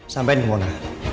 sampai nih mona